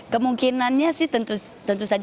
kemungkinannya sih tentu saja